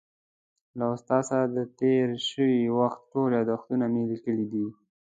له استاد سره د تېر شوي وخت ټول یادښتونه مې لیکلي دي.